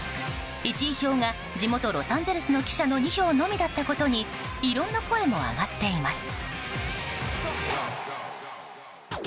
１位票が地元ロサンゼルスの記者の２票のみだったことに異論の声も上がっています。